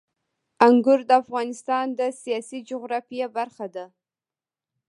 انګور د افغانستان د سیاسي جغرافیه برخه ده.